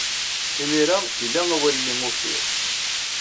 Imir-a, ila awal-nni uffir.